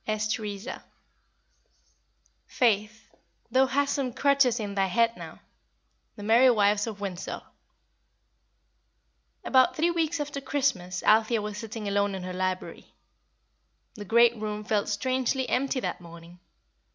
S. TERESA. "Faith, thou hast some crotchets in thy head now." The Merry Wives of Windsor. About three weeks after Christmas Althea was sitting alone in her library. The great room felt strangely empty that morning.